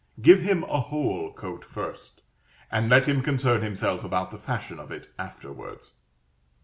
Give him a whole coat first, and let him concern himself about the fashion of it afterwards.